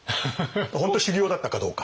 本当に修行だったかどうか。